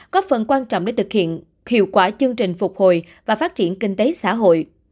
góp phần quan trọng để thực hiện hiệu quả chương trình phục hồi và phát triển kinh tế xã hội